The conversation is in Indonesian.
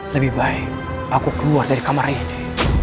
lebih baik aku keluar dari kamar ini